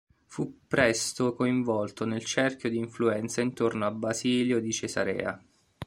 Fu presto coinvolto nel cerchio di influenza intorno a Basilio di Cesarea.